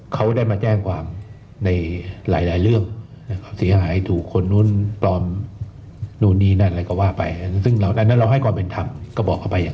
เขาได้มาแจ้งความในหลายเรื่องเสียหายถูกคนนู้นปลอมนู่นนี่นั่นอะไรก็ว่าไปซึ่งเหล่านั้นเราให้ความเป็นธรรมก็บอกเขาไปอย่าง